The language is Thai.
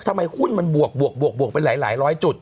ทำไมหุ้นมันบวกเป็นหลาย๑๐๐จุด